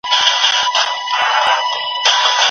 دوی په ګډه پارک پاکوي.